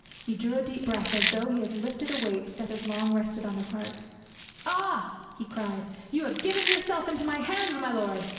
He drew a deep breath, as though he had lifted a weight that had long rested on his heart. "Ah!" he cried, "you have given yourself into my hands, my lord!